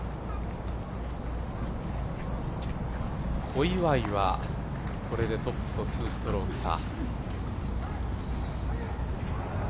小祝はこれでトップと２ストローク差。